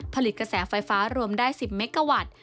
ผลิตกระแสไฟฟ้ารวมได้๑๐เมกาวัตต์